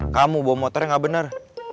kamu bawa motornya nggak benar